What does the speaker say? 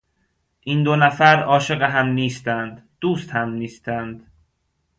این دو نفر عاشق هم نیستند. دوست هم نیستند.